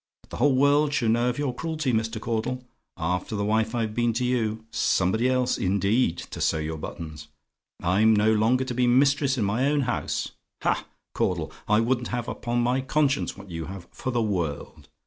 But the whole world shall know of your cruelty, Mr. Caudle. After the wife I've been to you. Somebody else, indeed, to sew your buttons! I'm no longer to be mistress in my own house! Ha, Caudle! I wouldn't have upon my conscience what you have, for the world!